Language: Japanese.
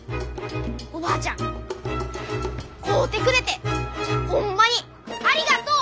おばあちゃん買うてくれてホンマにありがとう！